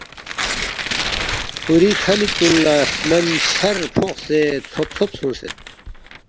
کُھوری کھہ مِک کُن لہ سمن چھر فوقسے ژھوب ژھوب سونگس